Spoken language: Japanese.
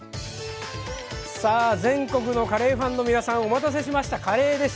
さあ全国のカレーファンの皆さんお待たせしましたカレーです。